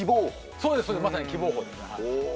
そうですまさに喜望峰ですお！